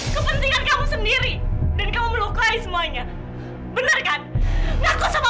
kau pikir saya bodoh percaya sama kamu